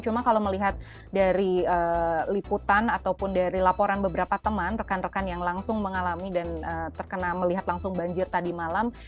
cuma kalau melihat dari liputan ataupun dari laporan beberapa teman rekan rekan yang langsung mengalami dan terkena melihat langsung banjir tadi malam